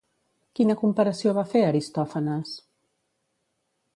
Quina comparació va fer Aristòfanes?